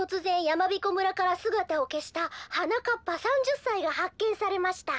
やまびこ村からすがたをけしたはなかっぱ３０さいがはっけんされました」。